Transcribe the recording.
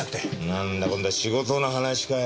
なんだ今度は仕事の話かよ。